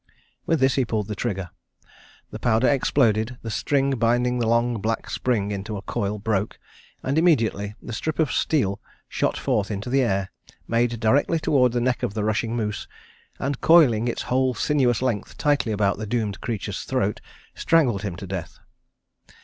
With this he pulled the trigger. The powder exploded, the string binding the long black spring into a coil broke, and immediately the strip of steel shot forth into the air, made directly toward the neck of the rushing moose, and coiling its whole sinuous length tightly about the doomed creature's throat strangled him to death.